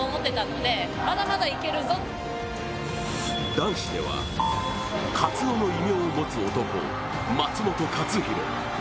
男子では、カツオの異名を持つ男、松元克央。